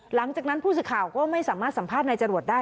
หลังจากนั้นผู้สื่อข่าวก็ไม่สามารถสัมภาษณ์นายจรวดได้